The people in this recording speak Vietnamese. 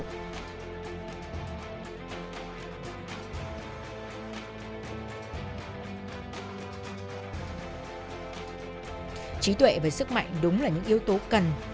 trí tuệ và sức mạnh đúng là những yếu tố cần